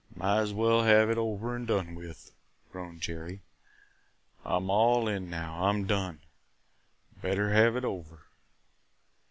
"Might as well have it over and done with," groaned Jerry. "I 'm all in now. I 'm done! Better have it over!"